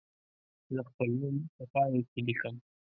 زه خپل نوم په پای کې لیکم.